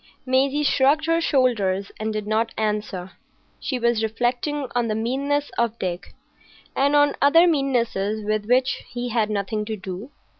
Maisie shrugged her shoulders and did not answer. She was reflecting on the meannesses of Dick, and on other meannesses with which he had nothing to do.